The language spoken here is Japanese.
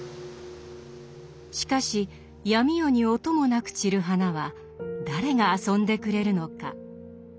しかし闇夜に音もなく散る花は誰が遊んでくれるのか。